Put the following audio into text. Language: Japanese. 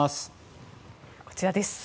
こちらです。